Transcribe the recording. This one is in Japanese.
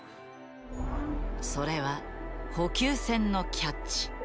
それは補給船のキャッチ。